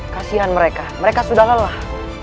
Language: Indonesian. kasihan mereka mereka sudah lelah